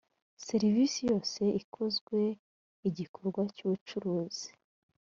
serivisi yose ikozwe igikorwa cy ubucuruzi